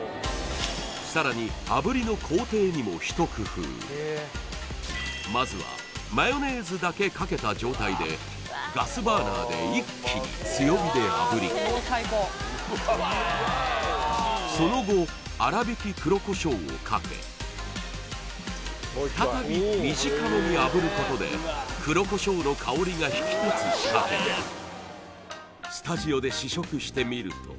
さらに炙りの工程にもひと工夫まずはマヨネーズだけかけた状態でガスバーナーで一気に強火で炙りその後粗挽き黒胡椒をかけ再び短めに炙ることで黒胡椒の香りが引き立つ仕掛けにスタジオで試食してみると